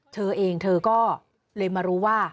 เธอเองเธอก็เลยมารู้ว่า